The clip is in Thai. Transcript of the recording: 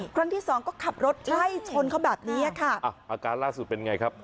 ครั้งที่สองก็ขับรถไล่ชนเขาแบบนี้อ่ะค่ะอ่ะอาการล่าสุดเป็นไงครับ